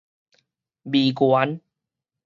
眉原